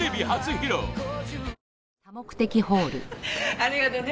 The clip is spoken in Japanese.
ありがとね。